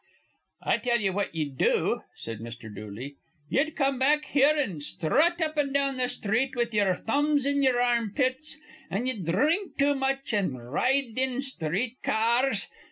"I tell ye what ye'd do," said Mr. Dooley. "Ye'd come back here an' sthrut up an' down th' sthreet with ye'er thumbs in ye'er armpits; an' ye'd dhrink too much, an' ride in sthreet ca ars.